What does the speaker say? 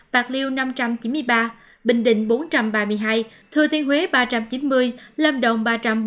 năm trăm chín mươi năm bạc liêu năm trăm chín mươi ba bình định bốn trăm ba mươi hai thừa tiên huế ba trăm chín mươi lâm đồng